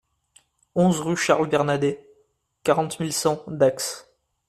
onze rue Charles Bernadet, quarante mille cent Dax